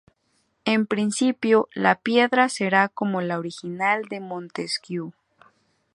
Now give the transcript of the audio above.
En principio la piedra será como la original de Montjuïc.